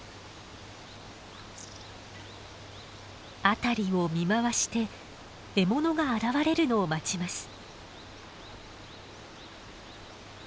辺りを見回して獲物が現れるのを待ちます。